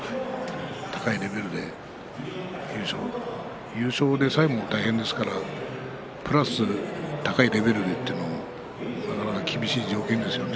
高いレベルで優勝優勝でさえも大変ですからプラス高いレベルでというのは厳しい条件ですね。